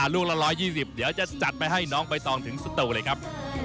ลูกละ๑๒๐เดี๋ยวจะจัดไปให้น้องใบตองถึงสตูเลยครับ